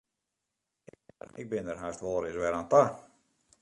Ik bin der hast wolris wer oan ta.